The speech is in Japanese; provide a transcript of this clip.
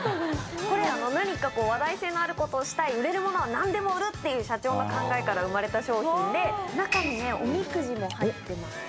これ何か話題性のあることをしたい売れるものは何でも売るっていう社長の考えから生まれた商品で中におみくじも入ってます。